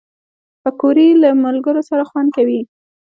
پکورې له ملګرو سره خوند کوي